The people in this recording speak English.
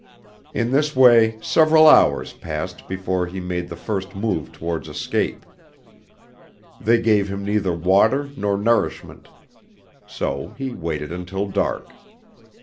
In this way several hours passed before he made the first move towards escape. They gave him neither water nor nourishment. So he waited until dark.